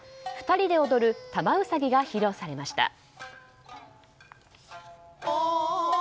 ２人で踊る「玉兎」が披露されました。